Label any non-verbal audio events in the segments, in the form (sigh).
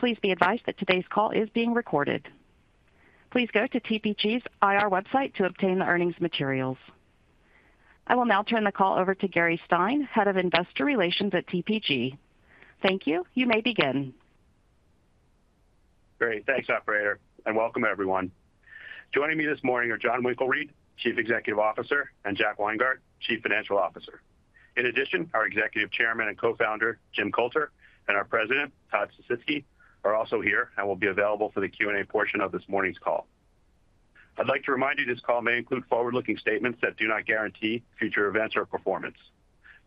Please be advised that today's call is being recorded. Please go to TPG's IR website to obtain the earnings materials. I will now turn the call over to Gary Stein, Head of Investor Relations at TPG. Thank you. You may begin. Great. Thanks, Operator. And welcome, everyone. Joining me this morning are Jon Winkelried, Chief Executive Officer, and Jack Weingart, Chief Financial Officer. In addition, our Executive Chairman and Co-founder, Jim Coulter, and our President, Todd Sisitsky, are also here and will be available for the Q&A portion of this morning's call. I'd like to remind you this call may include forward-looking statements that do not guarantee future events or performance.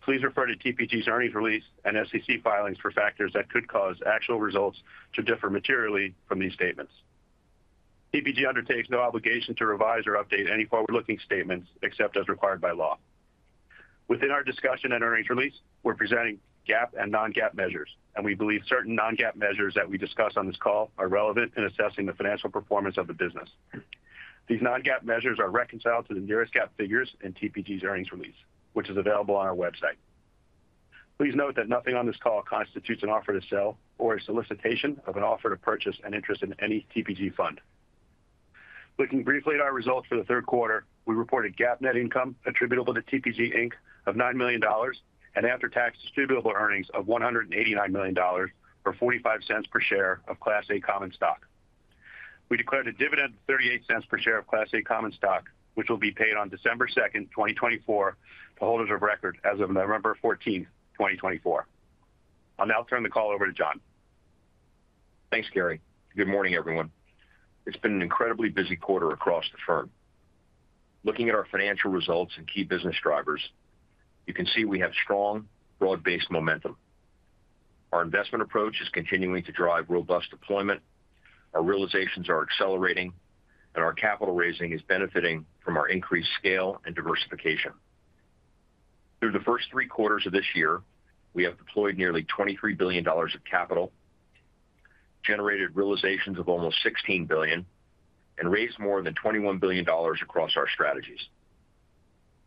Please refer to TPG's earnings release and SEC filings for factors that could cause actual results to differ materially from these statements. TPG undertakes no obligation to revise or update any forward-looking statements except as required by law. Within our discussion and earnings release, we're presenting GAAP and non-GAAP measures, and we believe certain non-GAAP measures that we discuss on this call are relevant in assessing the financial performance of the business. These non-GAAP measures are reconciled to the nearest GAAP figures in TPG's earnings release, which is available on our website. Please note that nothing on this call constitutes an offer to sell or a solicitation of an offer to purchase an interest in any TPG fund. Looking briefly at our results for the Q3, we reported GAAP net income attributable to TPG Inc. of $9 million and after-tax distributable earnings of $189 million or $0.45 per share of Class A Common Stock. We declared a dividend of $0.38 per share of Class A Common Stock, which will be paid on December 2nd, 2024, to holders of record as of November 14th, 2024. I'll now turn the call over to Jon. Thanks, Gary. Good morning, everyone. It's been an incredibly busy quarter across the firm. Looking at our financial results and key business drivers, you can see we have strong broad-based momentum. Our investment approach is continuing to drive robust deployment, our realizations are accelerating, and our capital raising is benefiting from our increased scale and diversification. Through the first three quarters of this year, we have deployed nearly $23 billion of capital, generated realizations of almost $16 billion, and raised more than $21 billion across our strategies.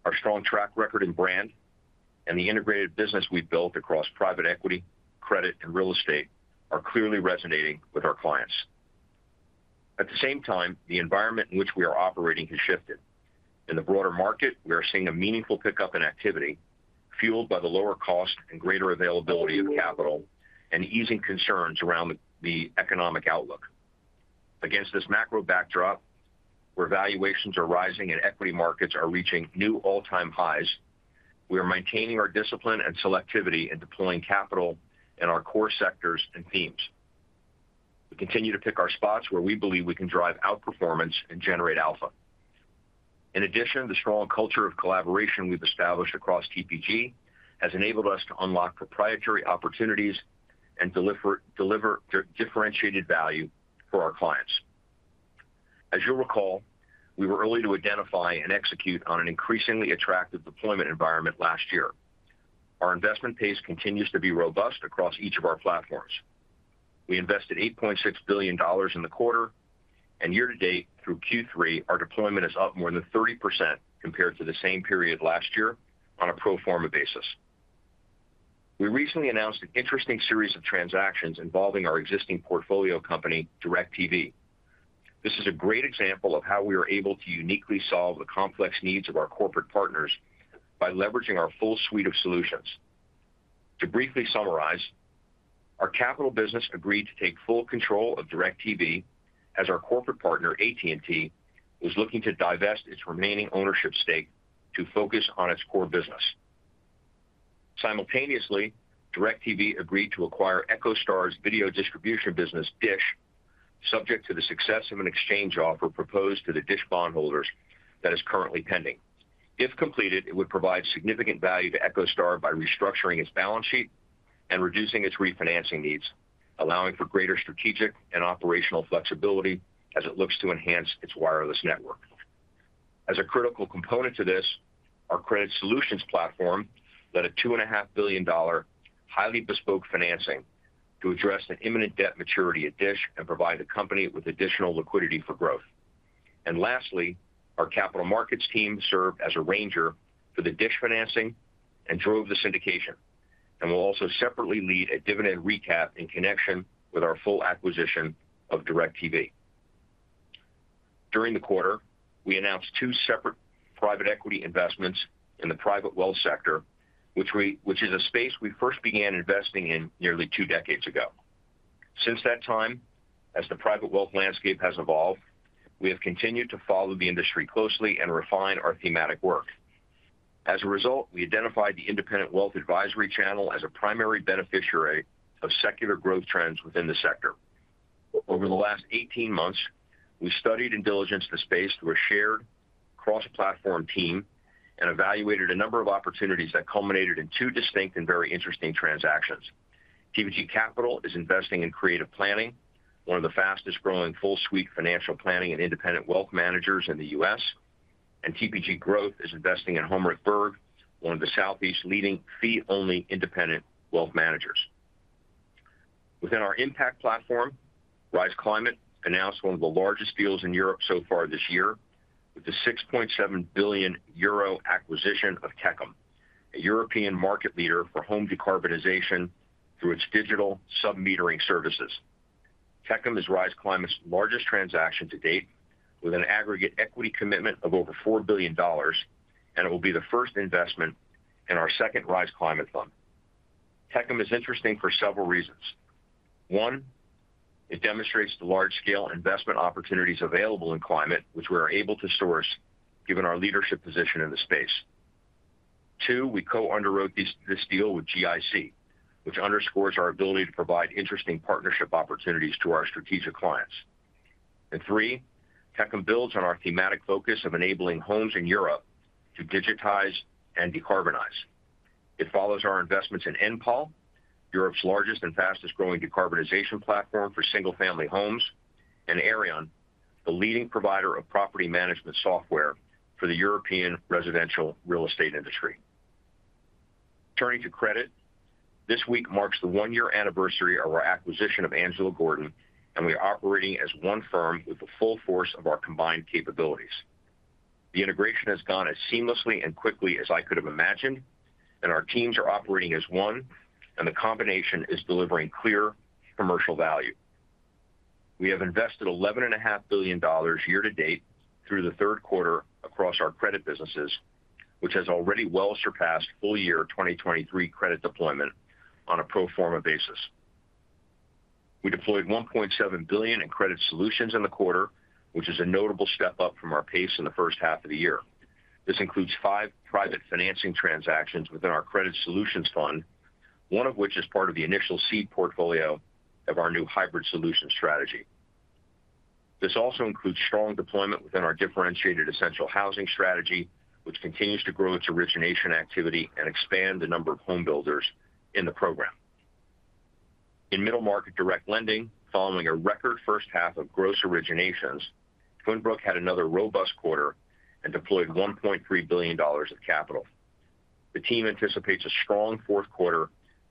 Our strong track record and brand, and the integrated business we've built across private equity, credit, and real estate, are clearly resonating with our clients. At the same time, the environment in which we are operating has shifted. In the broader market, we are seeing a meaningful pickup in activity, fueled by the lower cost and greater availability of capital, and easing concerns around the economic outlook. Against this macro backdrop, where valuations are rising and equity markets are reaching new all-time highs, we are maintaining our discipline and selectivity in deploying capital in our core sectors and themes. We continue to pick our spots where we believe we can drive outperformance and generate alpha. In addition, the strong culture of collaboration we've established across TPG has enabled us to unlock proprietary opportunities and deliver differentiated value for our clients. As you'll recall, we were early to identify and execute on an increasingly attractive deployment environment last year. Our investment pace continues to be robust across each of our platforms. We invested $8.6 billion in the quarter, and year to date, through Q3, our deployment is up more than 30% compared to the same period last year on a pro forma basis. We recently announced an interesting series of transactions involving our existing portfolio company, DIRECTV. This is a great example of how we are able to uniquely solve the complex needs of our corporate partners by leveraging our full suite of solutions. To briefly summarize, our capital business agreed to take full control of DIRECTV as our corporate partner, AT&T, was looking to divest its remaining ownership stake to focus on its core business. Simultaneously, DIRECTV agreed to acquire EchoStar's video distribution business, DISH, subject to the success of an exchange offer proposed to the DISH bondholders that is currently pending. If completed, it would provide significant value to EchoStar by restructuring its balance sheet and reducing its refinancing needs, allowing for greater strategic and operational flexibility as it looks to enhance its wireless network. As a critical component to this, our credit solutions platform led a $2.5 billion highly bespoke financing to address the imminent debt maturity at DISH and provide the company with additional liquidity for growth. And lastly, our capital markets team served as an arranger for the DISH financing and drove the syndication, and will also separately lead a dividend recap in connection with our full acquisition of DIRECTV. During the quarter, we announced two separate private equity investments in the private wealth sector, which is a space we first began investing in nearly two decades ago. Since that time, as the private wealth landscape has evolved, we have continued to follow the industry closely and refine our thematic work. As a result, we identified the independent wealth advisory channel as a primary beneficiary of secular growth trends within the sector. Over the last 18 months, we studied and diligenced the space through a shared cross-platform team and evaluated a number of opportunities that culminated in two distinct and very interesting transactions. TPG Capital is investing in Creative Planning, one of the fastest-growing full-suite financial planning and independent wealth managers in the U.S., and TPG Growth is investing in Homrich Berg, one of the Southeast's leading fee-only independent wealth managers. Within our impact platform, Rise Climate announced one of the largest deals in Europe so far this year with a 6.7 billion euro acquisition of Techem, a European market leader for home decarbonization through its digital submetering services. Techem is Rise Climate's largest transaction to date, with an aggregate equity commitment of over $4 billion, and it will be the first investment in our second Rise Climate fund. Techem is interesting for several reasons. One, it demonstrates the large-scale investment opportunities available in climate, which we are able to source given our leadership position in the space. Two, we co-underwrote this deal with GIC, which underscores our ability to provide interesting partnership opportunities to our strategic clients. Three, Techem builds on our thematic focus of enabling homes in Europe to digitize and decarbonize. It follows our investments in Enpal, Europe's largest and fastest-growing decarbonization platform for single-family homes, and Aareon, the leading provider of property management software for the European residential real estate industry. Turning to credit, this week marks the one-year anniversary of our acquisition of Angelo Gordon, and we are operating as one firm with the full force of our combined capabilities. The integration has gone as seamlessly and quickly as I could have imagined, and our teams are operating as one, and the combination is delivering clear commercial value. We have invested $11.5 billion year to date through the Q3 across our credit businesses, which has already well surpassed full-year 2023 credit deployment on a pro forma basis. We deployed $1.7 billion in credit solutions in the quarter, which is a notable step up from our pace in the first half of the year. This includes five private financing transactions within our credit solutions fund, one of which is part of the initial seed portfolio of our new hybrid solution strategy. This also includes strong deployment within our differentiated essential housing strategy, which continues to grow its origination activity and expand the number of homebuilders in the program. In middle-market direct lending, following a record first half of gross originations, Twin Brook had another robust quarter and deployed $1.3 billion of capital. The team anticipates a strong Q4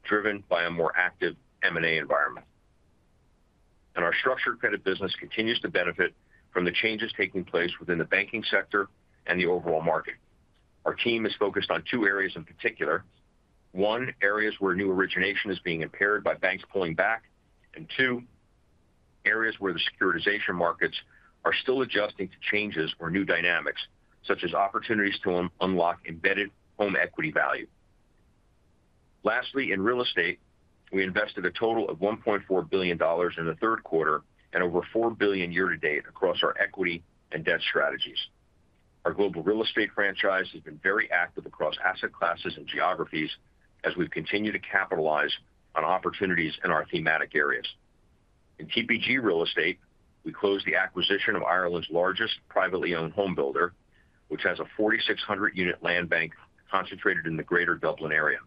driven by a more active M&A environment, and our structured credit business continues to benefit from the changes taking place within the banking sector and the overall market. Our team is focused on two areas in particular: one, areas where new origination is being impaired by banks pulling back, and two, areas where the securitization markets are still adjusting to changes or new dynamics, such as opportunities to unlock embedded home equity value. Lastly, in real estate, we invested a total of $1.4 billion in the Q3 and over $4 billion year to date across our equity and debt strategies. Our global real estate franchise has been very active across asset classes and geographies as we've continued to capitalize on opportunities in our thematic areas. In TPG Real Estate, we closed the acquisition of Ireland's largest privately owned homebuilder, which has a 4,600-unit land bank concentrated in the greater Dublin area.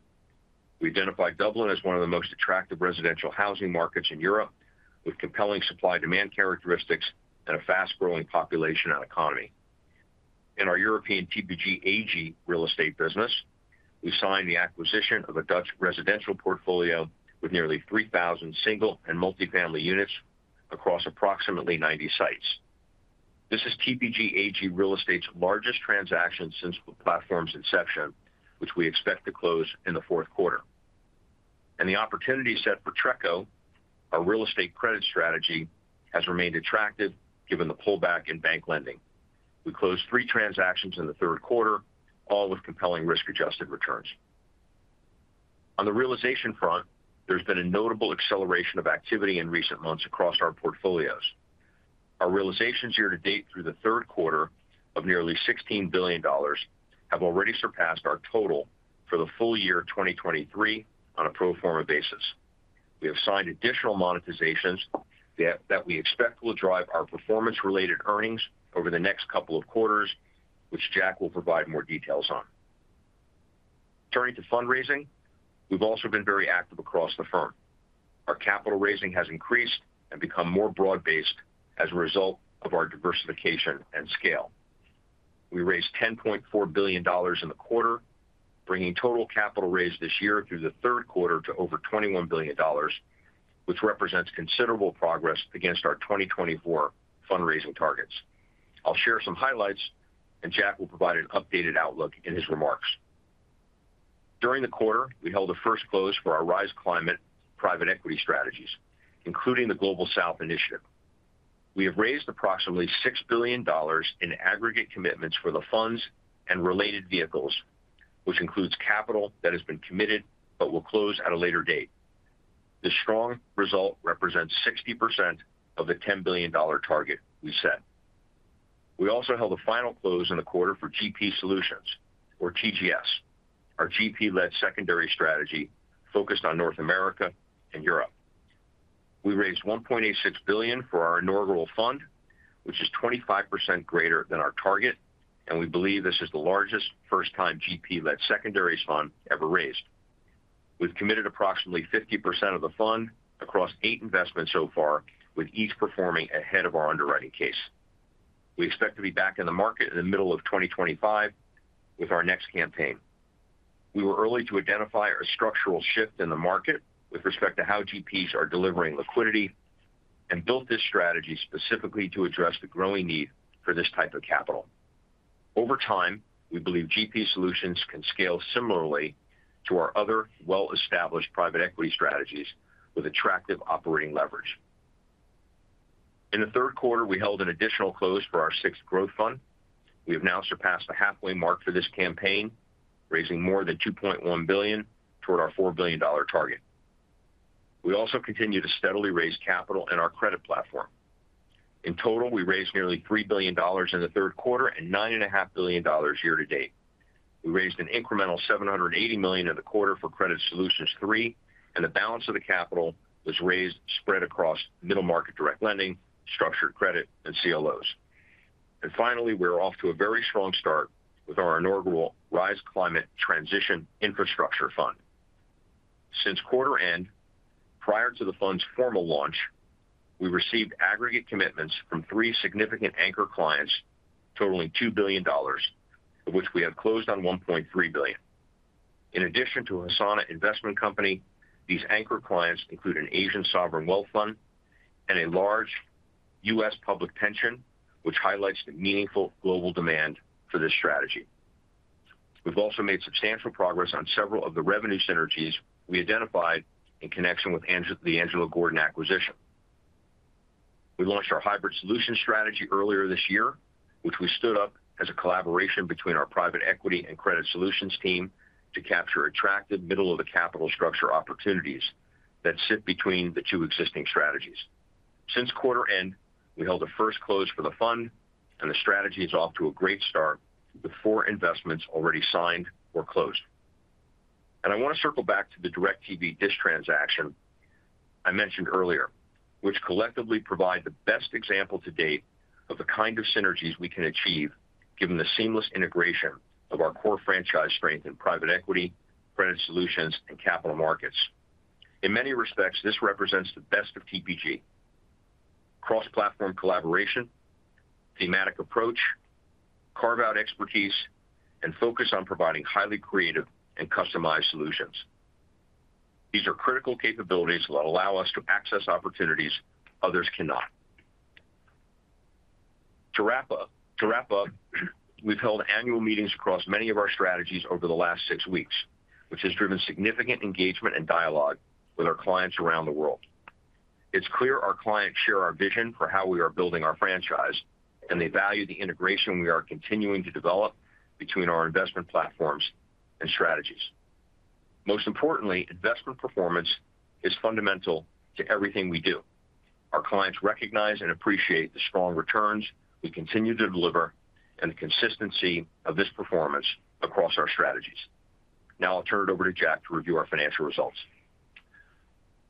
We identify Dublin as one of the most attractive residential housing markets in Europe, with compelling supply-demand characteristics and a fast-growing population and economy. In our European TPG AG real estate business, we signed the acquisition of a Dutch residential portfolio with nearly 3,000 single and multifamily units across approximately 90 sites. This is TPG Real Estate's largest transaction since the platform's inception, which we expect to close in the Q4. The opportunity set for TRECO, our real estate credit strategy, has remained attractive given the pullback in bank lending. We closed three transactions in the Q3, all with compelling risk-adjusted returns. On the realization front, there's been a notable acceleration of activity in recent months across our portfolios. Our realizations year to date through the Q3 of nearly $16 billion have already surpassed our total for the full year 2023 on a pro forma basis. We have signed additional monetizations that we expect will drive our performance-related earnings over the next couple of quarters, which Jack will provide more details on. Turning to fundraising, we've also been very active across the firm. Our capital raising has increased and become more broad-based as a result of our diversification and scale. We raised $10.4 billion in the quarter, bringing total capital raised this year through the Q3 to over $21 billion, which represents considerable progress against our 2024 fundraising targets. I'll share some highlights, and Jack will provide an updated outlook in his remarks. During the quarter, we held a first close for our Rise Climate private equity strategies, including the Global South initiative. We have raised approximately $6 billion in aggregate commitments for the funds and related vehicles, which includes capital that has been committed but will close at a later date. This strong result represents 60% of the $10 billion target we set. We also held a final close in the quarter for GP Solutions, or TGS, our GP-led secondary strategy focused on North America and Europe. We raised $1.86 billion for our inaugural fund, which is 25% greater than our target, and we believe this is the largest first-time GP-led secondary fund ever raised. We've committed approximately 50% of the fund across eight investments so far, with each performing ahead of our underwriting case. We expect to be back in the market in the middle of 2025 with our next campaign. We were early to identify a structural shift in the market with respect to how GPs are delivering liquidity and built this strategy specifically to address the growing need for this type of capital. Over time, we believe GP Solutions can scale similarly to our other well-established private equity strategies with attractive operating leverage. In the Q3, we held an additional close for our sixth growth fund. We have now surpassed the halfway mark for this campaign, raising more than $2.1 billion toward our $4 billion target. We also continue to steadily raise capital in our credit platform. In total, we raised nearly $3 billion in the Q3 and $9.5 billion year to date. We raised an incremental $780 million in the quarter for Credit Solutions III, and the balance of the capital was raised spread across middle-market direct lending, structured credit, and CLOs. And finally, we're off to a very strong start with our inaugural Rise Climate Transition Infrastructure Fund. Since quarter end, prior to the fund's formal launch, we received aggregate commitments from three significant anchor clients totaling $2 billion, of which we have closed on $1.3 billion. In addition to Hassana Investment Company, these anchor clients include an Asian sovereign wealth fund and a large U.S. public pension, which highlights the meaningful global demand for this strategy. We've also made substantial progress on several of the revenue synergies we identified in connection with the Angelo Gordon acquisition. We launched our hybrid solution strategy earlier this year, which we stood up as a collaboration between our private equity and credit solutions team to capture attractive middle-of-the-capital structure opportunities that sit between the two existing strategies. Since quarter end, we held a first close for the fund, and the strategy is off to a great start with four investments already signed or closed. And I want to circle back to the DIRECTV DISH transaction I mentioned earlier, which collectively provide the best example to date of the kind of synergies we can achieve given the seamless integration of our core franchise strength in private equity, credit solutions, and capital markets. In many respects, this represents the best of TPG: cross-platform collaboration, thematic approach, carve-out expertise, and focus on providing highly creative and customized solutions. These are critical capabilities that allow us to access opportunities others cannot. To wrap up, we've held annual meetings across many of our strategies over the last six weeks, which has driven significant engagement and dialogue with our clients around the world. It's clear our clients share our vision for how we are building our franchise, and they value the integration we are continuing to develop between our investment platforms and strategies. Most importantly, investment performance is fundamental to everything we do. Our clients recognize and appreciate the strong returns we continue to deliver and the consistency of this performance across our strategies. Now I'll turn it over to Jack to review our financial results.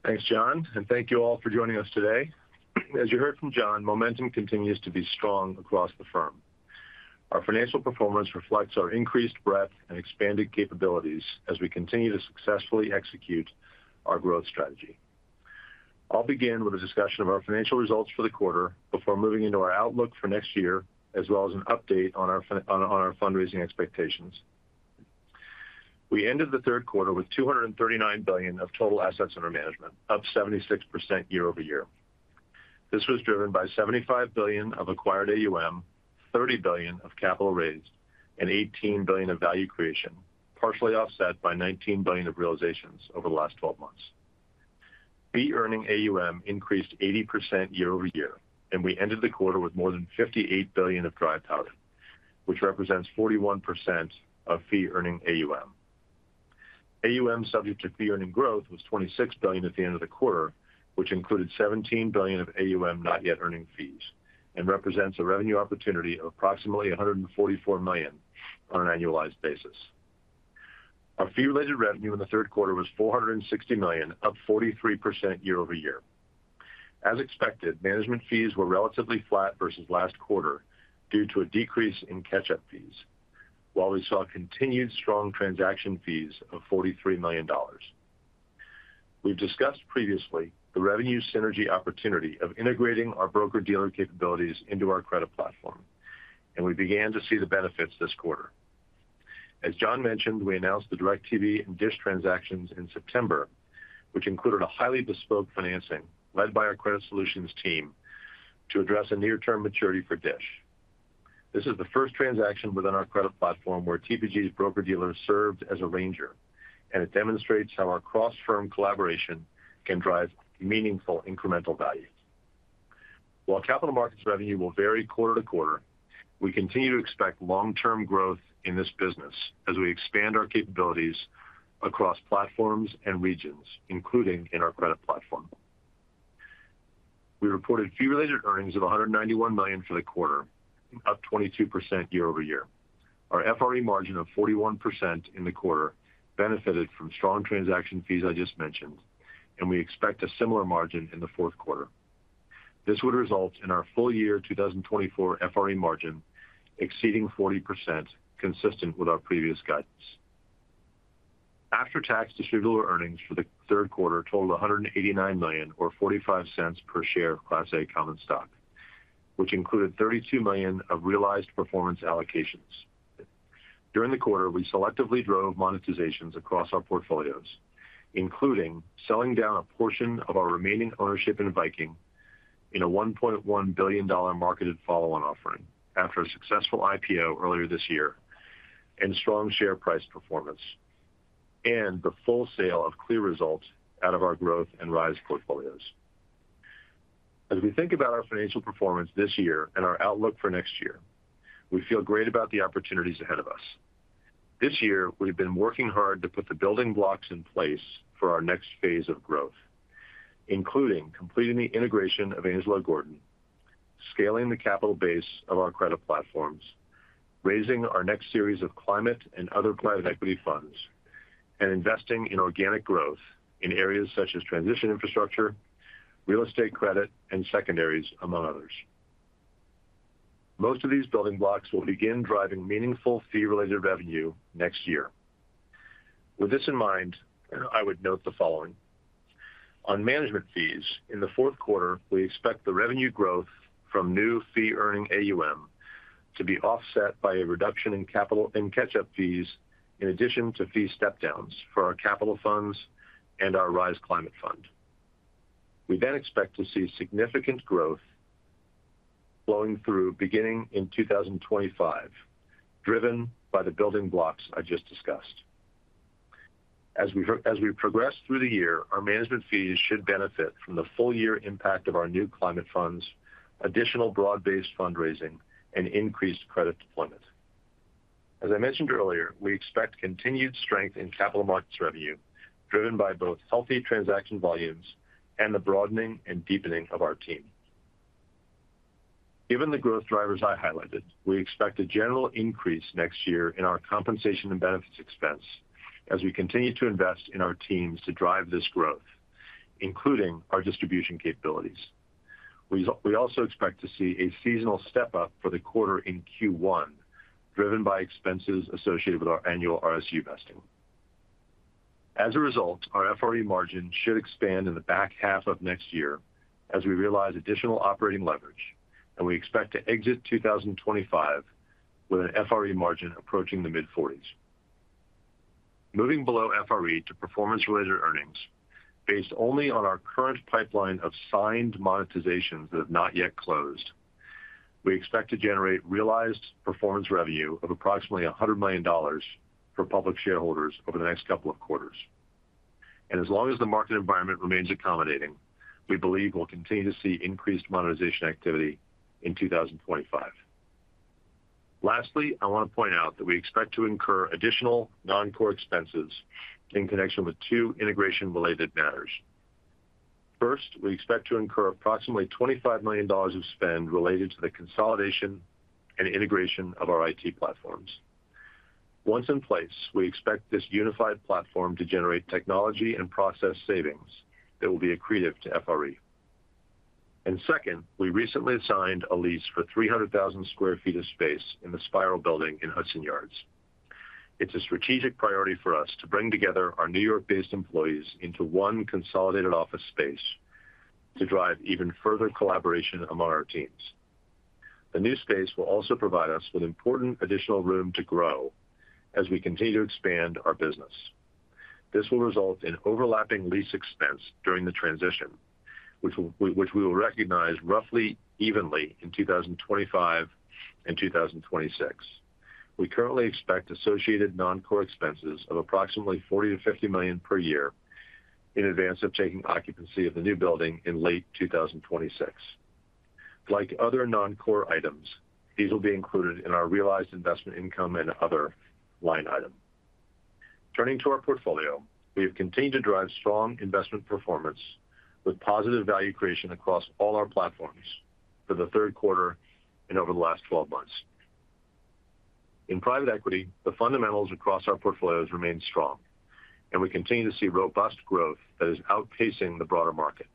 Thanks, Jon, and thank you all for joining us today. As you heard from Jon, momentum continues to be strong across the firm. Our financial performance reflects our increased breadth and expanded capabilities as we continue to successfully execute our growth strategy. I'll begin with a discussion of our financial results for the quarter before moving into our outlook for next year, as well as an update on our fundraising expectations. We ended the Q3 with $239 billion of total assets under management, up 76% year-over-year. This was driven by $75 billion of acquired AUM, $30 billion of capital raised, and $18 billion of value creation, partially offset by $19 billion of realizations over the last 12 months. Fee-earning AUM increased 80% year-over-year, and we ended the quarter with more than $58 billion of dry powder, which represents 41% of fee-earning AUM. AUM subject to fee-earning growth was $26 billion at the end of the quarter, which included $17 billion of AUM not yet earning fees and represents a revenue opportunity of approximately $144 million on an annualized basis. Our fee-related revenue in the Q3 was $460 million, up 43% year-over-year. As expected, management fees were relatively flat versus last quarter due to a decrease in catch-up fees, while we saw continued strong transaction fees of $43 million. We've discussed previously the revenue synergy opportunity of integrating our broker-dealer capabilities into our credit platform, and we began to see the benefits this quarter. As Jon mentioned, we announced the DIRECTV and DISH transactions in September, which included a highly bespoke financing led by our credit solutions team to address a near-term maturity for DISH. This is the first transaction within our credit platform where TPG's broker-dealer served as an arranger, and it demonstrates how our cross-firm collaboration can drive meaningful incremental value. While capital markets revenue will vary quarter to quarter, we continue to expect long-term growth in this business as we expand our capabilities across platforms and regions, including in our credit platform. We reported fee-related earnings of $191 million for the quarter, up 22% year-over-year. Our FRE margin of 41% in the quarter benefited from strong transaction fees I just mentioned, and we expect a similar margin in the Q4. This would result in our full-year 2024 FRE margin exceeding 40%, consistent with our previous guidance. After-tax distributable earnings for the Q3 totaled $189 million, or $0.45 per share of Class A common stock, which included $32 million of realized performance allocations. During the quarter, we selectively drove monetizations across our portfolios, including selling down a portion of our remaining ownership in Viking in a $1.1 billion marketed follow-on offering after a successful IPO earlier this year and strong share price performance, and the full sale of CLEAResult out of our growth and Rise portfolios. As we think about our financial performance this year and our outlook for next year, we feel great about the opportunities ahead of us. This year, we've been working hard to put the building blocks in place for our next phase of growth, including completing the integration of Angelo Gordon, scaling the capital base of our credit platforms, raising our next series of climate and other private equity funds, and investing in organic growth in areas such as transition infrastructure, real estate credit, and secondaries, among others. Most of these building blocks will begin driving meaningful fee-related revenue next year. With this in mind, I would note the following. On management fees, in the Q4, we expect the revenue growth from new fee-earning AUM to be offset by a reduction in capital and catch-up fees in addition to fee step-downs for our capital funds and our Rise Climate fund. We then expect to see significant growth flowing through beginning in 2025, driven by the building blocks I just discussed. As we progress through the year, our management fees should benefit from the full-year impact of our new climate funds, additional broad-based fundraising, and increased credit deployment. As I mentioned earlier, we expect continued strength in capital markets revenue driven by both healthy transaction volumes and the broadening and deepening of our team. Given the growth drivers I highlighted, we expect a general increase next year in our compensation and benefits expense as we continue to invest in our teams to drive this growth, including our distribution capabilities. We also expect to see a seasonal step-up for the quarter in Q1, driven by expenses associated with our annual RSU vesting. As a result, our FRE margin should expand in the back half of next year as we realize additional operating leverage, and we expect to exit 2025 with an FRE margin approaching the mid-40s. Moving below FRE to performance-related earnings, based only on our current pipeline of signed monetizations that have not yet closed, we expect to generate realized performance revenue of approximately $100 million for public shareholders over the next couple of quarters. As long as the market environment remains accommodating, we believe we'll continue to see increased monetization activity in 2025. Lastly, I want to point out that we expect to incur additional non-core expenses in connection with two integration-related matters. First, we expect to incur approximately $25 million of spend related to the consolidation and integration of our IT platforms. Once in place, we expect this unified platform to generate technology and process savings that will be accretive to FRE. Second, we recently signed a lease for 300,000 sq ft of space in the Spiral Building in Hudson Yards. It's a strategic priority for us to bring together our New York-based employees into one consolidated office space to drive even further collaboration among our teams. The new space will also provide us with important additional room to grow as we continue to expand our business. This will result in overlapping lease expense during the transition, which we will recognize roughly evenly in 2025 and 2026. We currently expect associated non-core expenses of approximately $40-$50 million per year in advance of taking occupancy of the new building in late 2026. Like other non-core items, these will be included in our realized investment income and other line item. Turning to our portfolio, we have continued to drive strong investment performance with positive value creation across all our platforms for the Q3 and over the last 12 months. In private equity, the fundamentals across our portfolios remain strong, and we continue to see robust growth that is outpacing the broader market.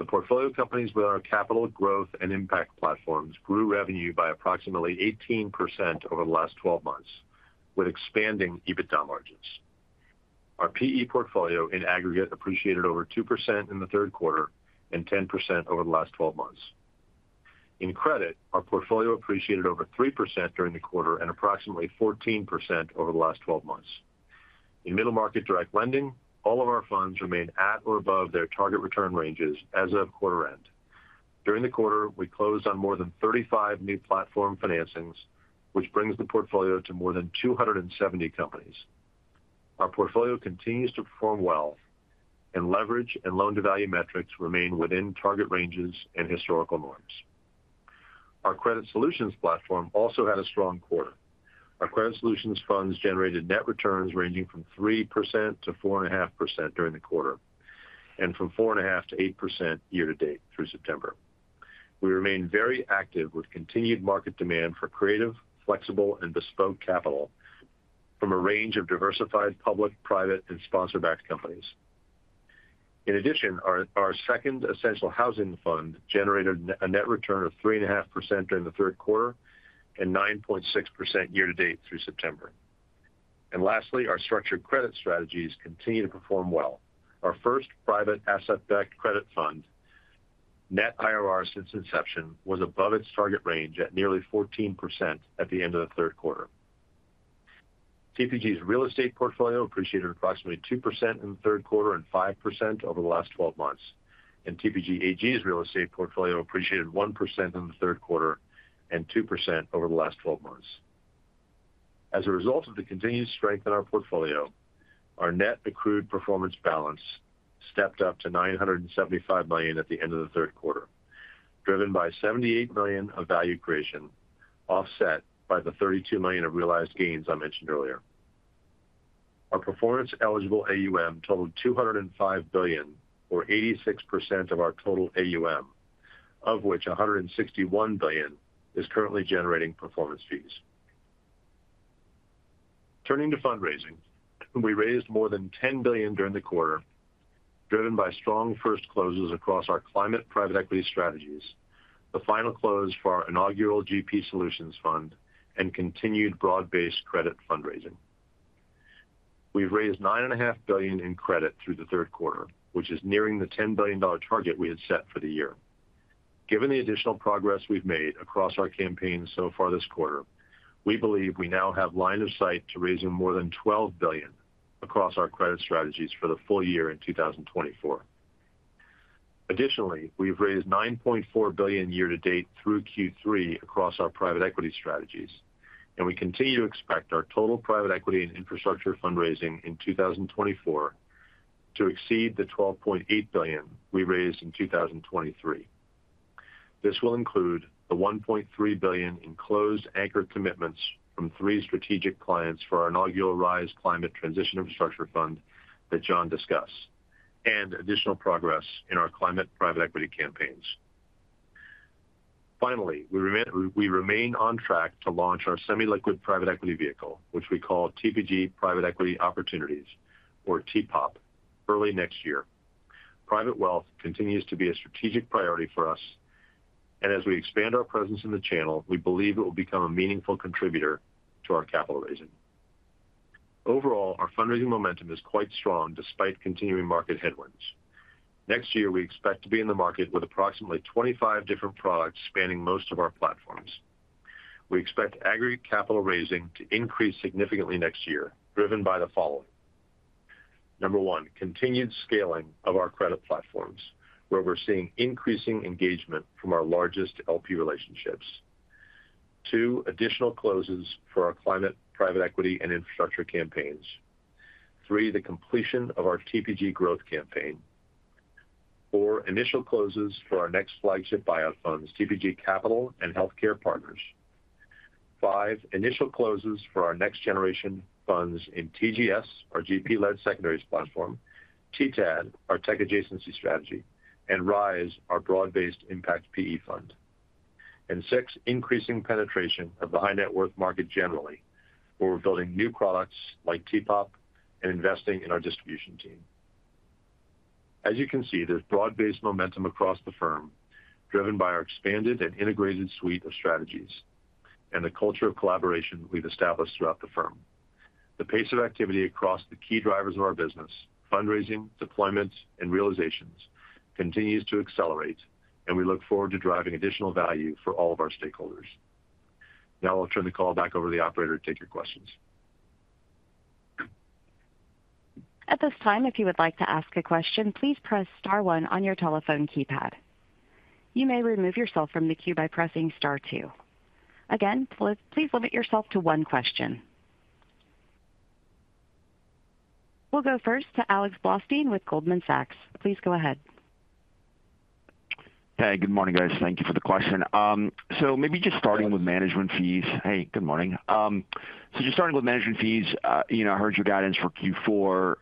The portfolio companies with our capital growth and impact platforms grew revenue by approximately 18% over the last 12 months, with expanding EBITDA margins. Our PE portfolio in aggregate appreciated over 2% in the Q3 and 10% over the last 12 months. In credit, our portfolio appreciated over 3% during the quarter and approximately 14% over the last 12 months. In middle-market direct lending, all of our funds remain at or above their target return ranges as of quarter end. During the quarter, we closed on more than 35 new platform financings, which brings the portfolio to more than 270 companies. Our portfolio continues to perform well, and leverage and loan-to-value metrics remain within target ranges and historical norms. Our credit solutions platform also had a strong quarter. Our credit solutions funds generated net returns ranging from 3% to 4.5% during the quarter and from 4.5% to 8% year to date through September. We remain very active with continued market demand for creative, flexible, and bespoke capital from a range of diversified public, private, and sponsored-backed companies. In addition, our second essential housing fund generated a net return of 3.5% during the Q3 and 9.6% year to date through September. And lastly, our structured credit strategies continue to perform well. Our first private asset-backed credit fund, net IRR since inception, was above its target range at nearly 14% at the end of the Q3. TPG's real estate portfolio appreciated approximately 2% in the Q3 and 5% over the last 12 months, and TPG AG's real estate portfolio appreciated 1% in the Q3 and 2% over the last 12 months. As a result of the continued strength in our portfolio, our net accrued performance balance stepped up to $975 million at the end of the Q3, driven by $78 million of value creation, offset by the $32 million of realized gains I mentioned earlier. Our performance-eligible AUM totaled $205 billion, or 86% of our total AUM, of which $161 billion is currently generating performance fees. Turning to fundraising, we raised more than $10 billion during the quarter, driven by strong first closes across our climate private equity strategies, the final close for our inaugural GP Solutions fund, and continued broad-based credit fundraising. We've raised $9.5 billion in credit through the Q3, which is nearing the $10 billion target we had set for the year. Given the additional progress we've made across our campaign so far this quarter, we believe we now have line of sight to raising more than $12 billion across our credit strategies for the full year in 2024. Additionally, we've raised $9.4 billion year to date through Q3 across our private equity strategies, and we continue to expect our total private equity and infrastructure fundraising in 2024 to exceed the $12.8 billion we raised in 2023. This will include the $1.3 billion in closed anchor commitments from three strategic clients for our inaugural Rise Climate Transition Infrastructure Fund that Jon discussed, and additional progress in our climate private equity campaigns. Finally, we remain on track to launch our semi-liquid private equity vehicle, which we call TPG Private Equity Opportunities, or TPOP, early next year. Private wealth continues to be a strategic priority for us, and as we expand our presence in the channel, we believe it will become a meaningful contributor to our capital raising. Overall, our fundraising momentum is quite strong despite continuing market headwinds. Next year, we expect to be in the market with approximately 25 different products spanning most of our platforms. We expect aggregate capital raising to increase significantly next year, driven by the following: number one, continued scaling of our credit platforms, where we're seeing increasing engagement from our largest LP relationships. Two, additional closes for our climate private equity and infrastructure campaigns. Three, the completion of our TPG Growth campaign. Four, initial closes for our next flagship buyout funds, TPG Capital and Healthcare Partners. Five, initial closes for our next-generation funds in TGS, our GP-led secondaries platform, TTAD, our tech adjacency strategy, and Rise, our broad-based impact PE fund. And six, increasing penetration of the high-net-worth market generally, where we're building new products like TPOP and investing in our distribution team. As you can see, there's broad-based momentum across the firm, driven by our expanded and integrated suite of strategies and the culture of collaboration we've established throughout the firm. The pace of activity across the key drivers of our business, fundraising, deployment, and realizations continues to accelerate, and we look forward to driving additional value for all of our stakeholders. Now I'll turn the call back over to the operator to take your questions. At this time, if you would like to ask a question, please press Star 1 on your telephone keypad. You may remove yourself from the queue by pressing Star 2. Again, please limit yourself to one question. We'll go first to Alex Blostein with Goldman Sachs. Please go ahead. Hey, good morning, guys. Thank you for the question. So maybe just starting with management fees, I heard your guidance for Q4.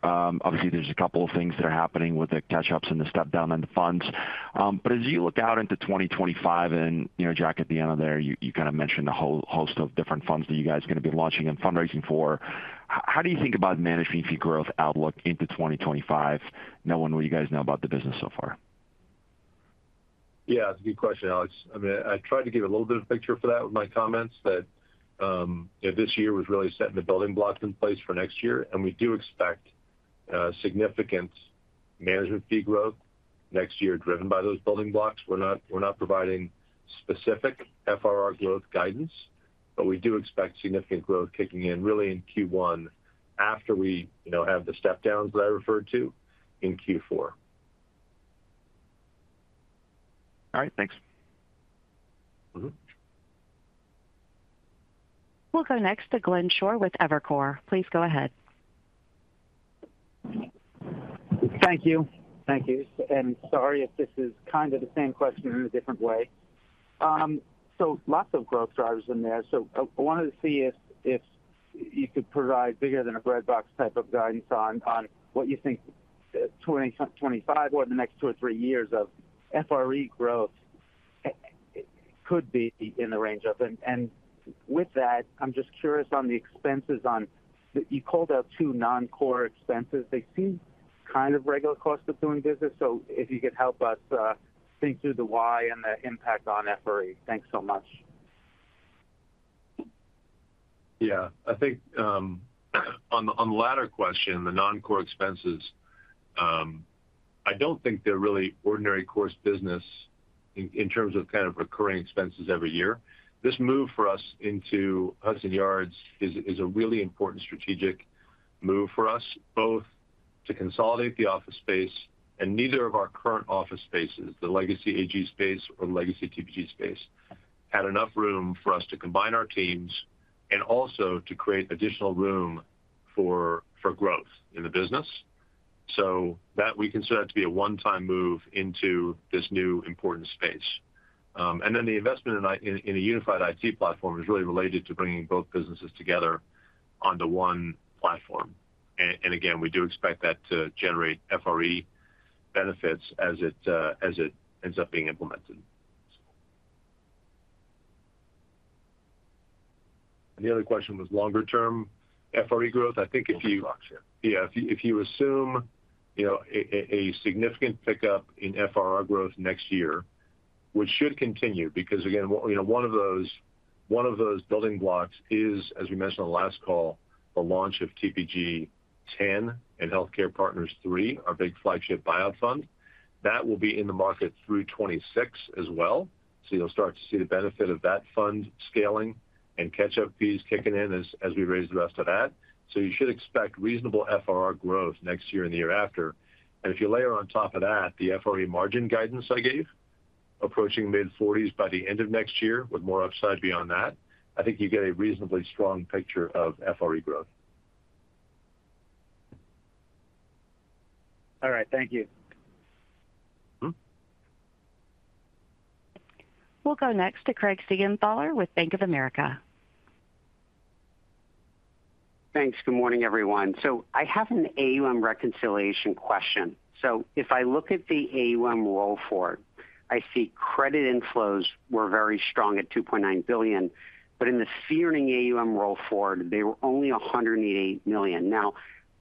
Obviously, there's a couple of things that are happening with the catch-ups and the step-down on the funds. But as you look out into 2025, and Jack, at the end of there, you kind of mentioned a whole host of different funds that you guys are going to be launching and fundraising for. How do you think about management fee growth outlook into 2025? No one will, you guys know about the business so far? Yeah, that's a good question, Alex. I mean, I tried to give a little bit of a picture for that with my comments that this year was really setting the building blocks in place for next year, and we do expect significant management fee growth next year driven by those building blocks. We're not providing specific FRR growth guidance, but we do expect significant growth kicking in really in Q1 after we have the step-downs that I referred to in Q4. All right, thanks. We'll go next to Glenn Schorr with Evercore. Please go ahead. Thank you. Thank you. And sorry if this is kind of the same question in a different way. So lots of growth drivers in there. So I wanted to see if you could provide bigger than a breadbox type of guidance on what you think 2025 or the next two or three years of FRE growth could be in the range of? And with that, I'm just curious on the expenses you called out, two non-core expenses. They seem kind of regular cost of doing business. So if you could help us think through the why and the impact on FRE? Thanks so much. Yeah, I think on the latter question, the non-core expenses, I don't think they're really ordinary course business in terms of kind of recurring expenses every year. This move for us into Hudson Yards is a really important strategic move for us, both to consolidate the office space, and neither of our current office spaces, the legacy AG space or the legacy TPG space, had enough room for us to combine our teams and also to create additional room for growth in the business. So we consider that to be a one-time move into this new important space. And then the investment in a unified IT platform is really related to bringing both businesses together onto one platform. And again, we do expect that to generate FRE benefits as it ends up being implemented. And the other question was longer-term FRE growth. I think if you assume a significant pickup in FRR growth next year, which should continue because, again, one of those building blocks is, as we mentioned on the last call, the launch of TPG 10 and Healthcare Partners 3, our big flagship buyout fund. That will be in the market through 2026 as well. So you'll start to see the benefit of that fund scaling and catch-up fees kicking in as we raise the rest of that. So you should expect reasonable FRR growth next year and the year after. And if you layer on top of that the FRE margin guidance I gave, approaching mid-40s by the end of next year with more upside beyond that, I think you get a reasonably strong picture of FRE growth. All right, thank you. We'll go next to Craig Siegenthaler with Bank of America. Thanks. Good morning, everyone. So I have an AUM reconciliation question. So if I look at the AUM roll forward, I see credit inflows were very strong at $2.9 billion, but in the fee-earning AUM roll forward, they were only $188 million. Now,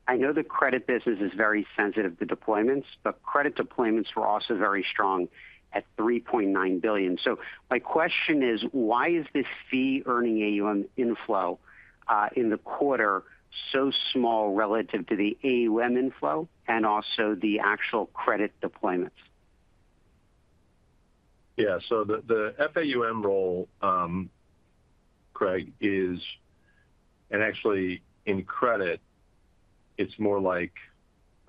I know the credit business is very sensitive to deployments, but credit deployments were also very strong at $3.9 billion. So my question is, why is this fee-earning AUM inflow in the quarter so small relative to the AUM inflow and also the actual credit deployments? Yeah, so the FAUM roll, Craig, is, and actually in credit, it's more like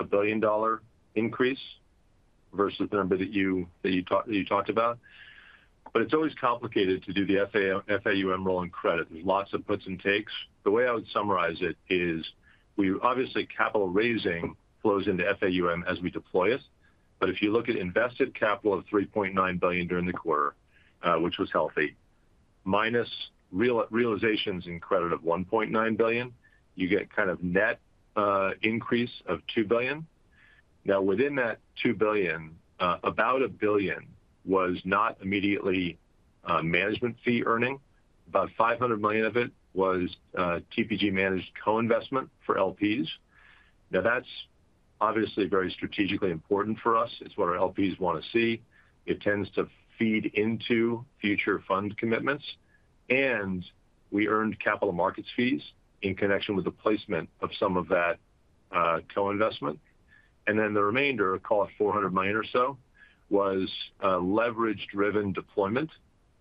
a billion-dollar increase versus the number that you talked about. But it's always complicated to do the FAUM roll in credit. There's lots of puts and takes. The way I would summarize it is we obviously capital raising flows into FAUM as we deploy it. But if you look at invested capital of $3.9 billion during the quarter, which was healthy, minus realizations in credit of $1.9 billion, you get kind of net increase of $2 billion. Now, within that $2 billion, about a billion was not immediately management fee earning. About $500 million of it was TPG-managed co-investment for LPs. Now, that's obviously very strategically important for us. It's what our LPs want to see. It tends to feed into future fund commitments. And we earned capital markets fees in connection with the placement of some of that co-investment. And then the remainder, call it $400 million or so, was leverage-driven deployment.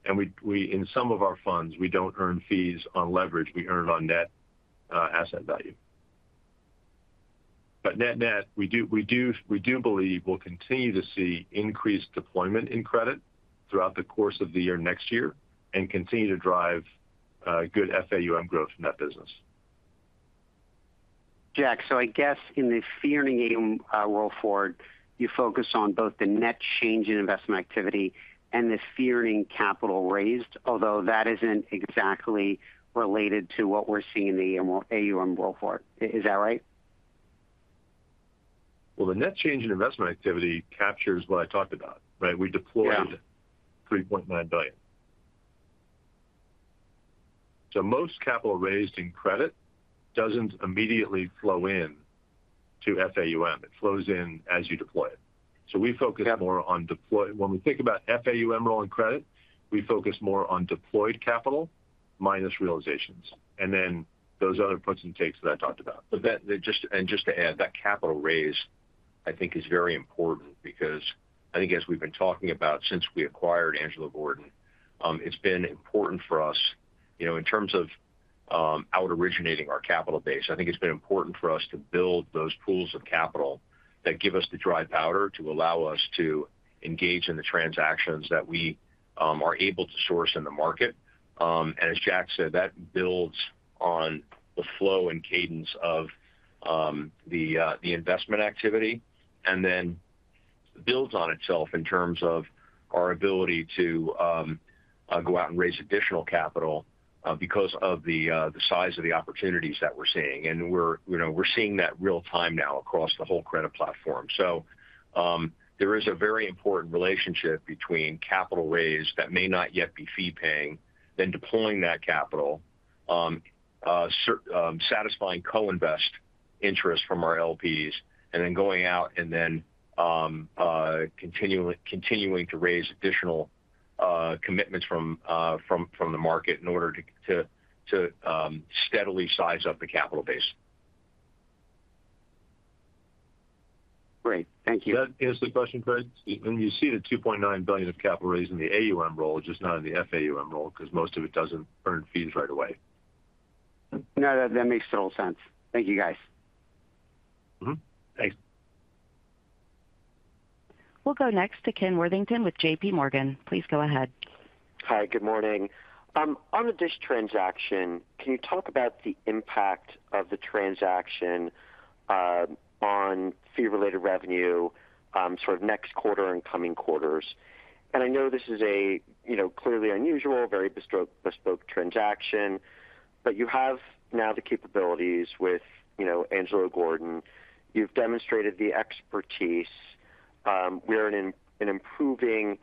And in some of our funds, we don't earn fees on leverage. We earn on net asset value. But net-net, we do believe we'll continue to see increased deployment in credit throughout the course of the year next year and continue to drive good FAUM growth in that business. Jack, so I guess in the fee-earning AUM roll forward, you focus on both the net change in investment activity and the fee-earning capital raised, although that isn't exactly related to what we're seeing in the AUM roll forward. Is that right? The net change in investment activity captures what I talked about, right? We deployed $3.9 billion. So most capital raised in credit doesn't immediately flow into FAUM. It flows in as you deploy it. So we focus more on deploying. When we think about FAUM role in credit, we focus more on deployed capital minus realizations, and then those other puts and takes that I talked about. And just to add, that capital raise, I think, is very important because I think as we've been talking about since we acquired Angelo Gordon, it's been important for us in terms of out-originating our capital base. I think it's been important for us to build those pools of capital that give us the dry powder to allow us to engage in the transactions that we are able to source in the market. And as Jack said, that builds on the flow and cadence of the investment activity and then builds on itself in terms of our ability to go out and raise additional capital because of the size of the opportunities that we're seeing. And we're seeing that real-time now across the whole credit platform. So there is a very important relationship between capital raised that may not yet be fee-paying, then deploying that capital, satisfying co-invest interest from our LPs, and then going out and then continuing to raise additional commitments from the market in order to steadily size up the capital base. Great. Thank you. Can I ask a question, Craig? When you see the $2.9 billion of capital raised in the AUM roll, just not in the FAUM roll because most of it doesn't earn fees right away. No, that makes total sense. Thank you, guys. Thanks. We'll go next to Ken Worthington with JP Morgan. Please go ahead. Hi, good morning. On the DISH transaction, can you talk about the impact of the transaction on fee-related revenue sort of next quarter and coming quarters? And I know this is a clearly unusual, very bespoke transaction, but you have now the capabilities with Angelo Gordon. You've demonstrated the expertise. We're in an improving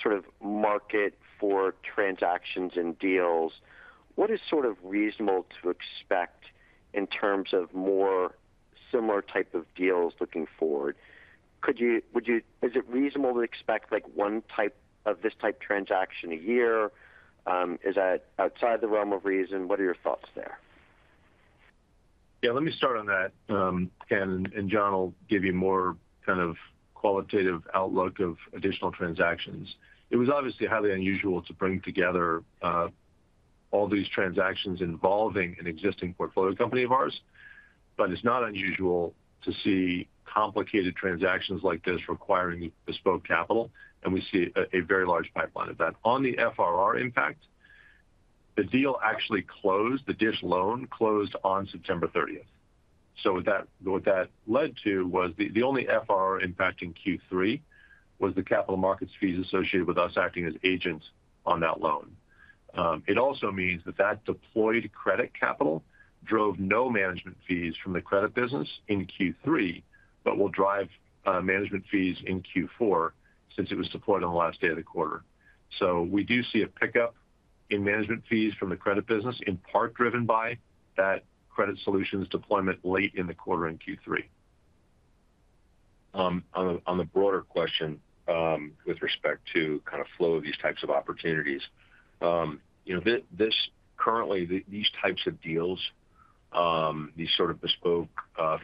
sort of market for transactions and deals. What is sort of reasonable to expect in terms of more similar type of deals looking forward? Is it reasonable to expect one type of this type transaction a year? Is that outside the realm of reason? What are your thoughts there? Yeah, let me start on that. Ken and John will give you more kind of qualitative outlook of additional transactions. It was obviously highly unusual to bring together all these transactions involving an existing portfolio company of ours, but it's not unusual to see complicated transactions like this requiring bespoke capital, and we see a very large pipeline of that. On the FRR impact, the deal actually closed. The DISH loan closed on September 30th. So what that led to was the only FRR impact in Q3 was the capital markets fees associated with us acting as agents on that loan. It also means that that deployed credit capital drove no management fees from the credit business in Q3, but will drive management fees in Q4 since it was deployed on the last day of the quarter. So we do see a pickup in management fees from the credit business, in part driven by that Credit Solutions deployment late in the quarter in Q3. On the broader question with respect to kind of flow of these types of opportunities, currently, these types of deals, these sort of bespoke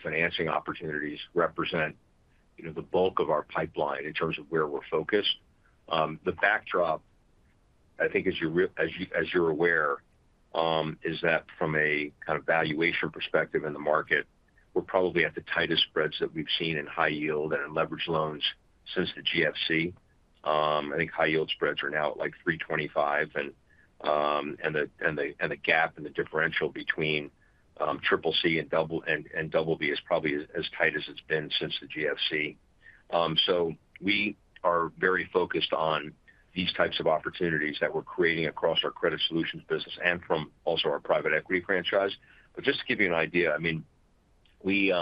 financing opportunities represent the bulk of our pipeline in terms of where we're focused. The backdrop, I think, as you're aware, is that from a kind of valuation perspective in the market, we're probably at the tightest spreads that we've seen in high yield and in leverage loans since the GFC. I think high yield spreads are now at like $325, and the gap and the differential between CCC and BB is probably as tight as it's been since the GFC. We are very focused on these types of opportunities that we're creating across our Credit Solutions business and from also our private equity franchise. But just to give you an idea, I mean, we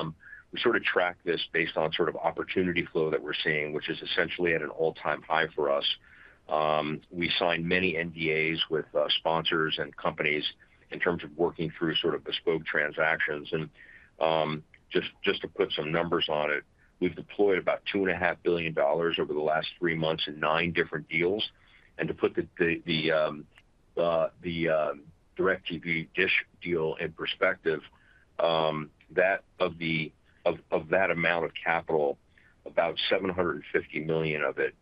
sort of track this based on sort of opportunity flow that we're seeing, which is essentially at an all-time high for us. We signed many NDAs with sponsors and companies in terms of working through sort of bespoke transactions. And just to put some numbers on it, we've deployed about $2.5 billion over the last three months in nine different deals. And to put the DIRECTV DISH deal in perspective, that of that amount of capital, about $750 million of it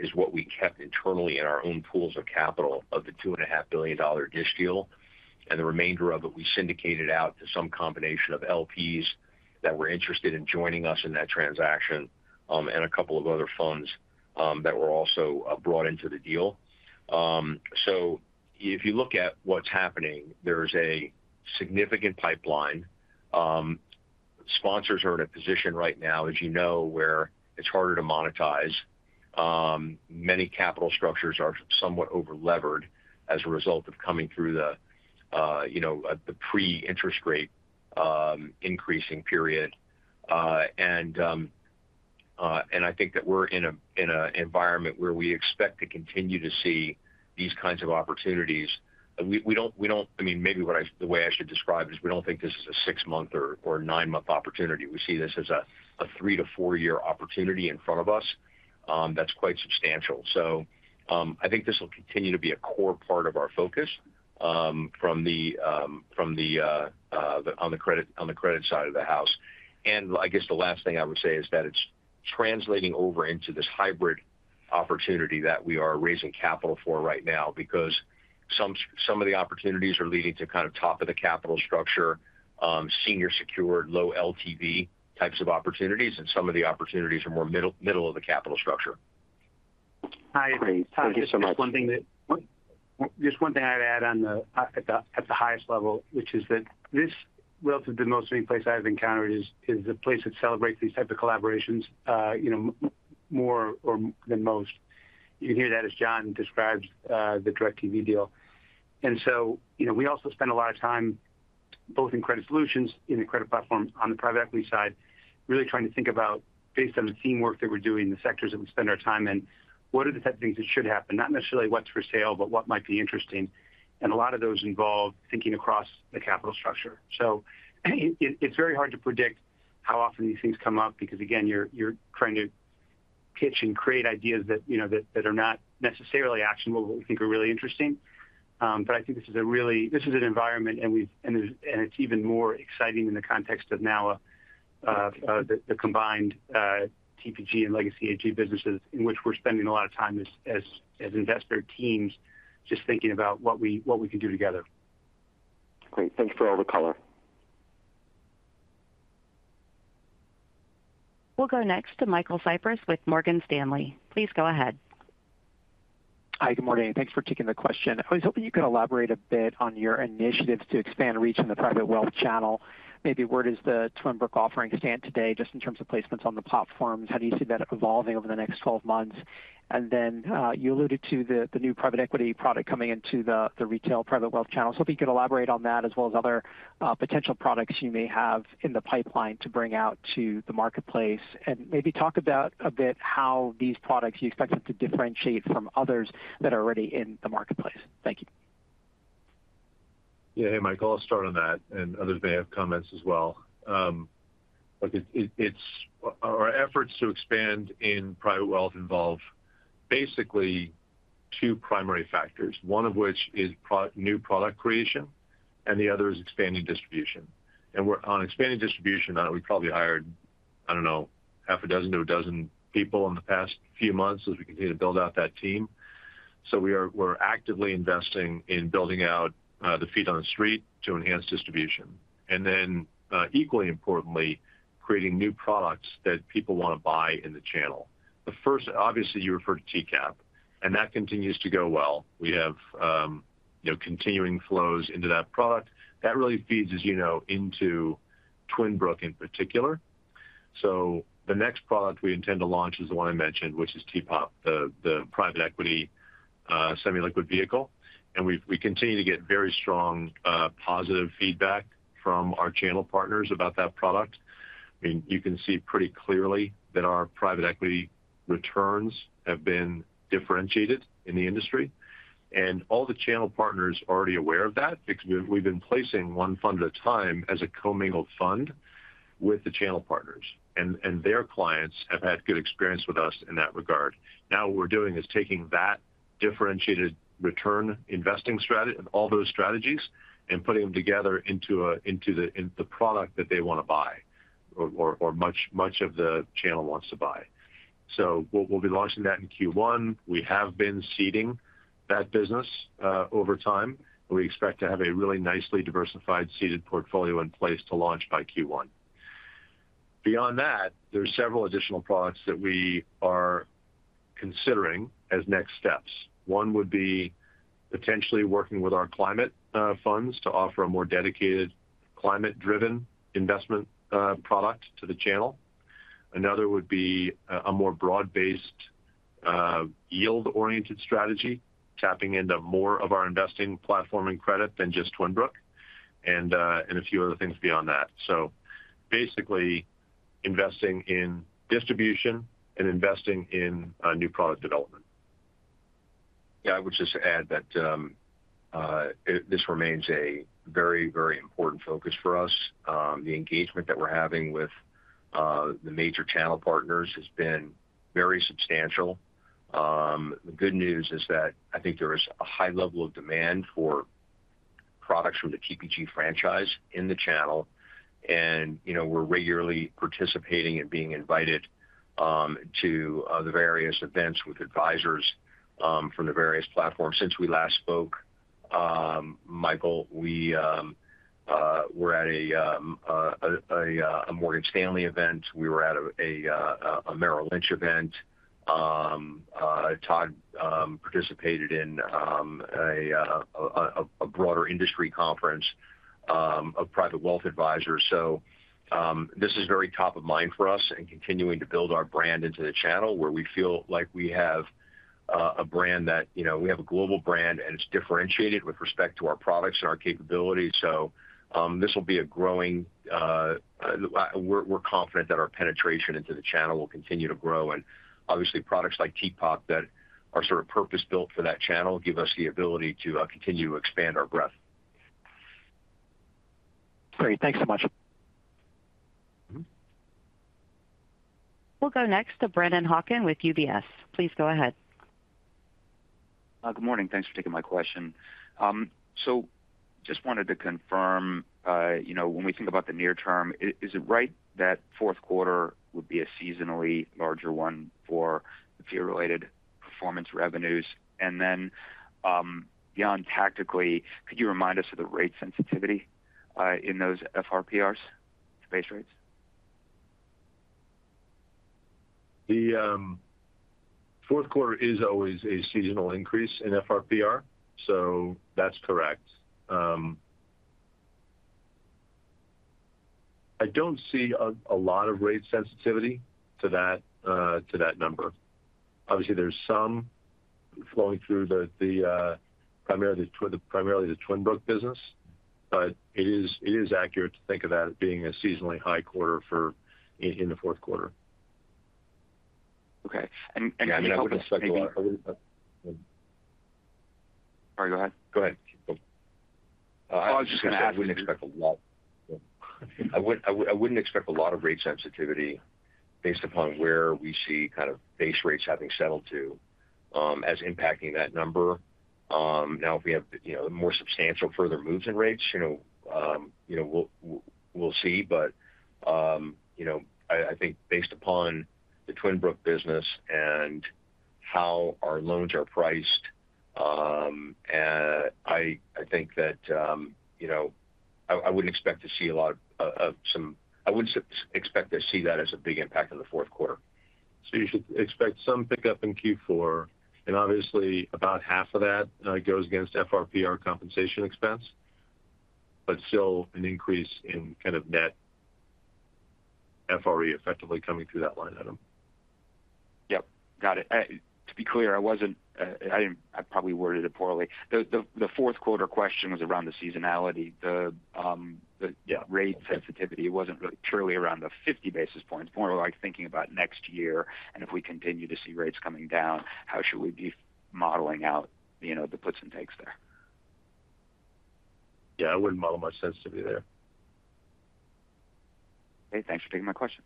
is what we kept internally in our own pools of capital of the $2.5 billion DISH deal. And the remainder of it, we syndicated out to some combination of LPs that were interested in joining us in that transaction and a couple of other funds that were also brought into the deal. So if you look at what's happening, there's a significant pipeline. Sponsors are in a position right now, as you know, where it's harder to monetize. Many capital structures are somewhat over-levered as a result of coming through the pre-interest rate increasing period. And I think that we're in an environment where we expect to continue to see these kinds of opportunities. I mean, maybe the way I should describe it is we don't think this is a six-month or nine-month opportunity. We see this as a three to four-year opportunity in front of us that's quite substantial. So I think this will continue to be a core part of our focus from the credit side of the house. And I guess the last thing I would say is that it's translating over into this hybrid opportunity that we are raising capital for right now because some of the opportunities are leading to kind of top-of-the-capital structure, senior-secured, low LTV types of opportunities, and some of the opportunities are more middle-of-the-capital structure. I agree. Thank you so much. Just one thing I'd add, on that at the highest level, which is that this, relative to most of the places I've encountered, is a place that celebrates these types of collaborations more than most. You can hear that as Jon describes the DIRECTV deal. And so we also spend a lot of time both in Credit Solutions, in the Credit Platform, on the private equity side, really trying to think about, based on the teamwork that we're doing, the sectors that we spend our time in, what are the types of things that should happen, not necessarily what's for sale, but what might be interesting. And a lot of those involve thinking across the capital structure. So it's very hard to predict how often these things come up because, again, you're trying to pitch and create ideas that are not necessarily actionable, but we think are really interesting. But I think this is a really, this is an environment, and it's even more exciting in the context of now the combined TPG and legacy AG businesses in which we're spending a lot of time as investor teams just thinking about what we can do together. Great. Thanks for all the color. We'll go next to Michael Cyprys with Morgan Stanley. Please go ahead. Hi, good morning. Thanks for taking the question. I was hoping you could elaborate a bit on your initiatives to expand reach in the private wealth channel. Maybe where does the Twin Brook offering stand today just in terms of placements on the platforms? How do you see that evolving over the next 12 months? And then you alluded to the new private equity product coming into the retail private wealth channel. So if you could elaborate on that as well as other potential products you may have in the pipeline to bring out to the marketplace and maybe talk about a bit how these products you expect them to differentiate from others that are already in the marketplace. Thank you. Yeah, hey, Michael, I'll start on that, and others may have comments as well. Our efforts to expand in private wealth involve basically two primary factors, one of which is new product creation, and the other is expanding distribution, and on expanding distribution, we probably hired, I don't know, half a dozen to a dozen people in the past few months as we continue to build out that team, so we're actively investing in building out the feet on the street to enhance distribution, and then, equally importantly, creating new products that people want to buy in the channel. The first, obviously, you referred to TCAP, and that continues to go well. We have continuing flows into that product. That really feeds, as you know, into Twin Brook in particular. So the next product we intend to launch is the one I mentioned, which is TPOP, the private equity semi-liquid vehicle. And we continue to get very strong positive feedback from our channel partners about that product. I mean, you can see pretty clearly that our private equity returns have been differentiated in the industry. And all the channel partners are already aware of that because we've been placing one fund at a time as a commingled fund with the channel partners. And their clients have had good experience with us in that regard. Now what we're doing is taking that differentiated return investing strategy, all those strategies, and putting them together into the product that they want to buy or much of the channel wants to buy. So we'll be launching that in Q1. We have been seeding that business over time. We expect to have a really nicely diversified seeded portfolio in place to launch by Q1. Beyond that, there are several additional products that we are considering as next steps. One would be potentially working with our climate funds to offer a more dedicated climate-driven investment product to the channel. Another would be a more broad-based yield-oriented strategy, tapping into more of our investing platform in credit than just Twin Brook and a few other things beyond that. So basically, investing in distribution and investing in new product development. Yeah, I would just add that this remains a very, very important focus for us. The engagement that we're having with the major channel partners has been very substantial. The good news is that I think there is a high level of demand for products from the TPG franchise in the channel. We're regularly participating and being invited to the various events with advisors from the various platforms. Since we last spoke, Michael, we were at a Morgan Stanley event. We were at a Merrill Lynch event. Todd participated in a broader industry conference of private wealth advisors. This is very top of mind for us and continuing to build our brand into the channel where we feel like we have a brand that we have a global brand, and it's differentiated with respect to our products and our capabilities. This will be a growing we're confident that our penetration into the channel will continue to grow. Obviously, products like TPOP that are sort of purpose-built for that channel give us the ability to continue to expand our breadth. Great. Thanks so much. We'll go next to Brennan Hawken with UBS. Please go ahead. Good morning. Thanks for taking my question. So just wanted to confirm, when we think about the near term, is it right that Q4 would be a seasonally larger one for fee-related performance revenues? And then beyond tactically, could you remind us of the rate sensitivity in those FRPRs, base rates? The Q4 is always a seasonal increase in FRPR. So that's correct. I don't see a lot of rate sensitivity to that number. Obviously, there's some flowing through primarily the Twin Brook business, but it is accurate to think of that as being a seasonally high quarter in the Q4. (crosstalk) Okay, and I mean, I wouldn't expect a lot. Sorry, go ahead. Go ahead. (crosstalk) I was just going to ask if we'd expect a lot. I wouldn't expect a lot of rate sensitivity based upon where we see kind of base rates having settled to as impacting that number. Now, if we have more substantial further moves in rates, we'll see, but I think based upon the Twin Brook business and how our loans are priced, I wouldn't expect to see that as a big impact in the Q4. So you should expect some pickup in Q4, and obviously, about half of that goes against FRPR compensation expense, but still an increase in kind of net FRE effectively coming through that line item. Yep. Got it. To be clear, I probably worded it poorly. The Q4 question was around the seasonality, the rate sensitivity. It wasn't really purely around the 50 basis points, more like thinking about next year. And if we continue to see rates coming down, how should we be modeling out the puts and takes there? Yeah, I wouldn't model much sensitivity there. Okay. Thanks for taking my question.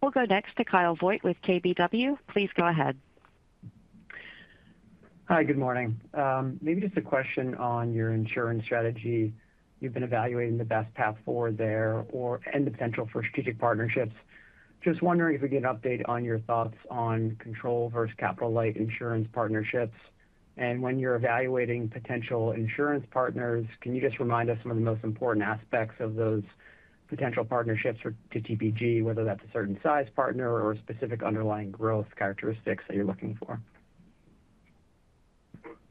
We'll go next to Kyle Voigt with KBW. Please go ahead. Hi, good morning. Maybe just a question on your insurance strategy. You've been evaluating the best path forward there and the potential for strategic partnerships. Just wondering if we get an update on your thoughts on control versus capital light insurance partnerships. When you're evaluating potential insurance partners, can you just remind us some of the most important aspects of those potential partnerships to TPG, whether that's a certain size partner or specific underlying growth characteristics that you're looking for?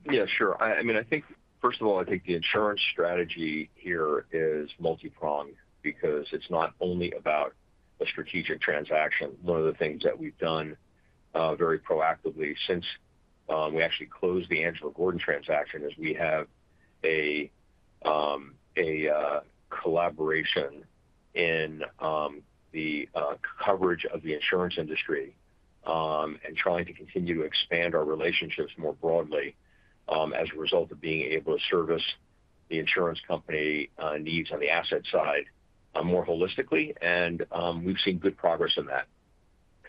Yeah, sure. I mean, I think, first of all, I think the insurance strategy here is multi-pronged because it's not only about a strategic transaction. One of the things that we've done very proactively since we actually closed the Angelo Gordon transaction is we have a collaboration in the coverage of the insurance industry and trying to continue to expand our relationships more broadly as a result of being able to service the insurance company needs on the asset side more holistically. And we've seen good progress in that.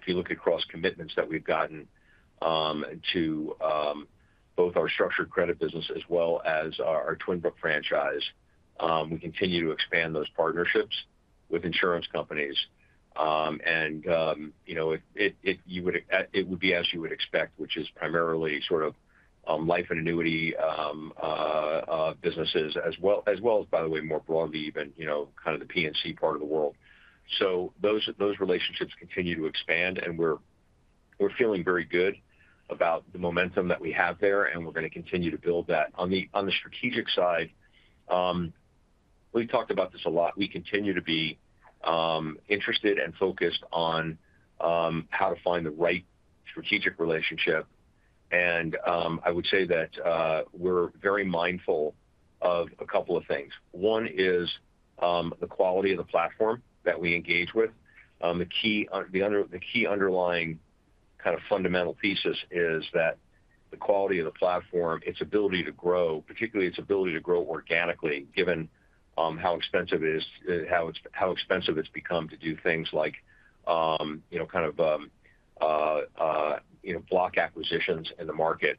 If you look across commitments that we've gotten to both our structured credit business as well as our Twin Brook franchise, we continue to expand those partnerships with insurance companies. And it would be as you would expect, which is primarily sort of life and annuity businesses, as well as, by the way, more broadly, even kind of the P&C part of the world. So those relationships continue to expand, and we're feeling very good about the momentum that we have there, and we're going to continue to build that. On the strategic side, we've talked about this a lot. We continue to be interested and focused on how to find the right strategic relationship. And I would say that we're very mindful of a couple of things. One is the quality of the platform that we engage with. The key underlying kind of fundamental thesis is that the quality of the platform, its ability to grow, particularly its ability to grow organically, given how expensive it is, how expensive it's become to do things like kind of block acquisitions in the market,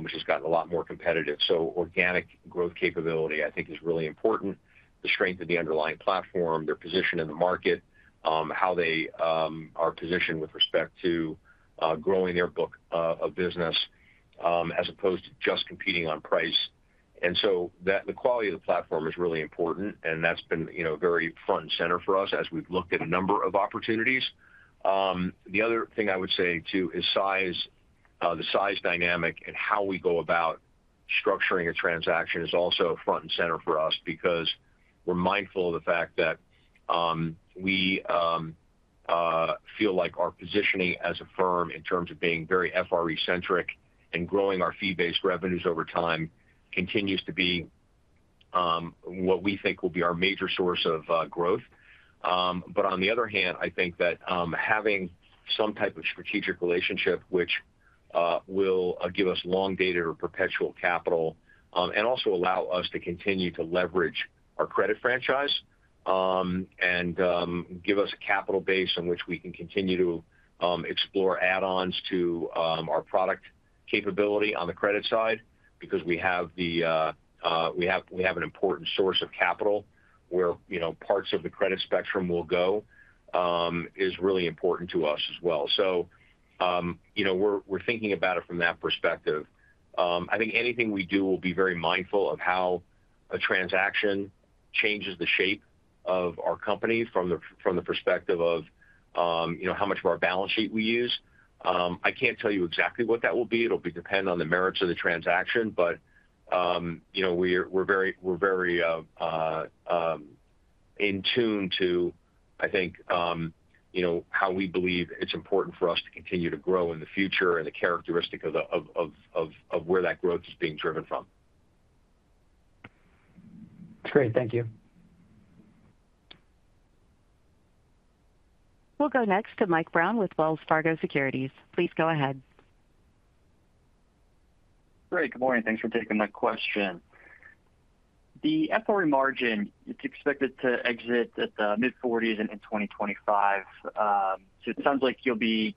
which has gotten a lot more competitive. So organic growth capability, I think, is really important. The strength of the underlying platform, their position in the market, how they are positioned with respect to growing their book of business as opposed to just competing on price. And so the quality of the platform is really important, and that's been very front and center for us as we've looked at a number of opportunities. The other thing I would say too is the size dynamic and how we go about structuring a transaction is also front and center for us because we're mindful of the fact that we feel like our positioning as a firm in terms of being very FRE-centric and growing our fee-based revenues over time continues to be what we think will be our major source of growth. But on the other hand, I think that having some type of strategic relationship, which will give us long-dated or perpetual capital and also allow us to continue to leverage our credit franchise and give us a capital base on which we can continue to explore add-ons to our product capability on the credit side because we have an important source of capital where parts of the credit spectrum will go is really important to us as well. So we're thinking about it from that perspective. I think anything we do will be very mindful of how a transaction changes the shape of our company from the perspective of how much of our balance sheet we use. I can't tell you exactly what that will be. It'll depend on the merits of the transaction, but we're very in tune to, I think, how we believe it's important for us to continue to grow in the future and the characteristic of where that growth is being driven from. That's great. Thank you. We'll go next to Mike Brown with Wells Fargo Securities. Please go ahead. Great. Good morning. Thanks for taking my question. The FRE margin, it's expected to exit at the mid-40s% in 2025. So it sounds like you'll be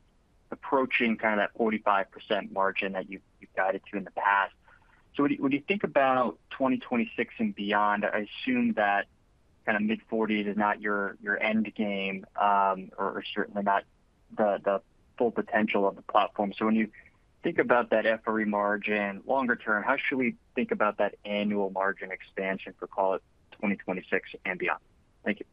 approaching kind of that 45% margin that you've guided to in the past. So when you think about 2026 and beyond, I assume that kind of mid-40s% is not your end game or certainly not the full potential of the platform. So when you think about that FRE margin longer term, how should we think about that annual margin expansion for, call it, 2026 and beyond? Thank you.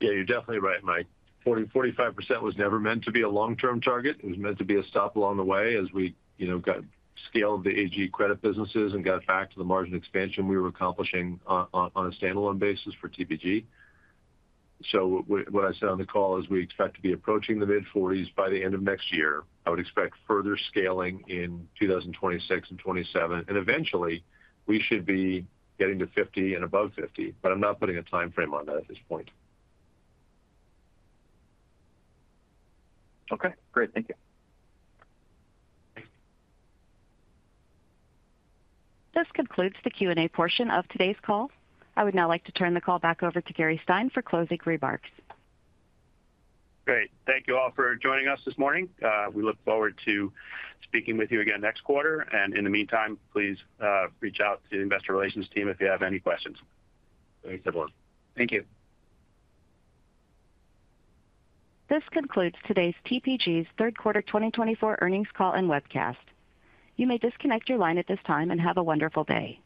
Yeah, you're definitely right, Mike. 45% was never meant to be a long-term target. It was meant to be a stop along the way as we scaled the AG credit businesses and got back to the margin expansion we were accomplishing on a standalone basis for TPG. So what I said on the call is we expect to be approaching the mid-40s by the end of next year. I would expect further scaling in 2026 and 2027, and eventually, we should be getting to 50 and above 50, but I'm not putting a timeframe on that at this point. Okay. Great. Thank you. This concludes the Q&A portion of today's call. I would now like to turn the call back over to Gary Stein for closing remarks. Great. Thank you all for joining us this morning. We look forward to speaking with you again next quarter. And in the meantime, please reach out to the investor relations team if you have any questions. Thanks, everyone. Thank you. This concludes today's TPG's Q3 2024 Earnings Call and Webcast. You may disconnect your line at this time and have a wonderful day.